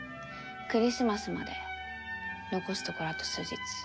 クリスマスまで残すところあと数日。